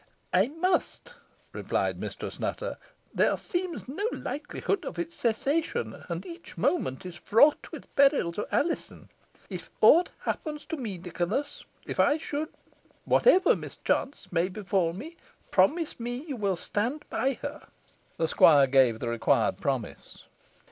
"I must," replied Mistress Nutter; "there seems no likelihood of its cessation, and each moment is fraught with peril to Alizon. If aught happens to me, Nicholas if I should whatever mischance may befall me promise me you will stand by her." The squire gave the required promise.